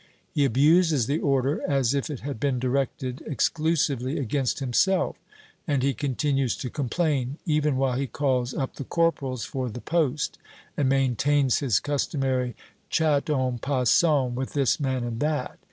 He abuses the order as if it had been directed exclusively against himself; and he continues to complain even while he calls up the corporals for the post and maintains his customary chat en passant with this man and that.